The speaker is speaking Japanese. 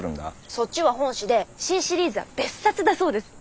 そっちは本誌で新シリーズは別冊だそうです。